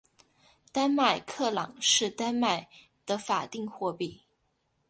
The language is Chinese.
丹麦克朗是丹麦的法定货币。